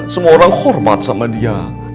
semua orang hormat sama dia